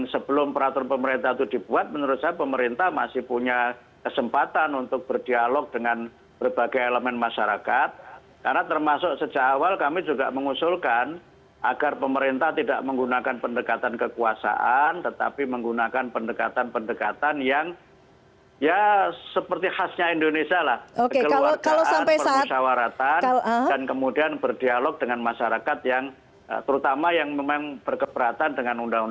selain itu presiden judicial review ke mahkamah konstitusi juga masih menjadi pilihan pp muhammadiyah